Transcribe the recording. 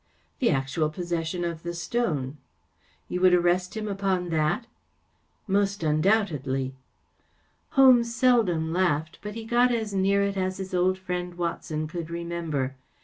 " The actual possession of the stone." " You would arrest him upon that ?"" Most undoubtedly." Holmes seldom laughed, but he got as near it as his old friend Watson could remember.